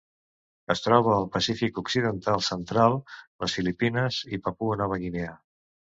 Es troba al Pacífic occidental central: les Filipines i Papua Nova Guinea.